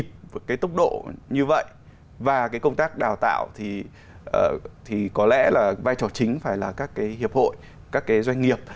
cái tốc độ như vậy và cái công tác đào tạo thì có lẽ là vai trò chính phải là các cái hiệp hội các cái doanh nghiệp